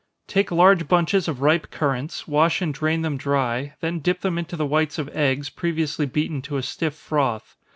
_ Take large bunches of ripe currants, wash and drain them dry, then dip them into the whites of eggs, previously beaten to a stiff froth.